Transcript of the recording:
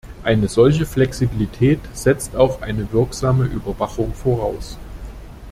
Eine solche Flexibilität setzt auch eine wirksame Überwachung voraus.